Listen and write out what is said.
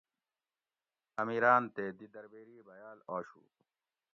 امیران تے دی دربیری بیال آشو